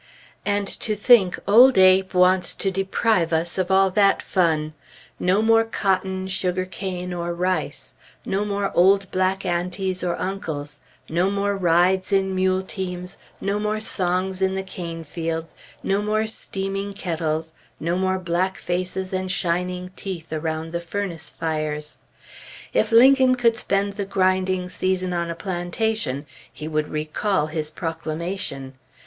And to think old Abe wants to deprive us of all that fun! No more cotton, sugar cane, or rice! No more old black aunties or uncles! No more rides in mule teams, no more songs in the cane field, no more steaming kettles, no more black faces and shining teeth around the furnace fires! If Lincoln could spend the grinding season on a plantation, he would recall his proclamation.